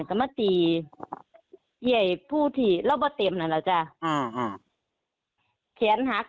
ก็มาตีใหญ่ผู้ที่แล้วแป๊บเต็มแล้วนะครับ